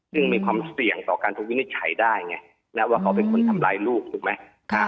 ซึ่งมีความเสี่ยงต่อการถูกวินิจฉัยได้ไงแล้วว่าเขาเป็นคนทำร้ายลูกถูกไหม